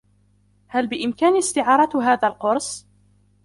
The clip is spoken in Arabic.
هل بإمكاني استعارة هذا القرص ؟